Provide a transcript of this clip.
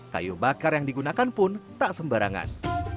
kayu bakar yang digunakan pun tak sembarangan